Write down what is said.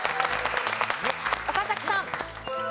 岡崎さん。